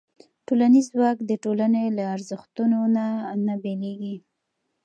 ټولنیز ځواک د ټولنې له ارزښتونو نه بېلېږي.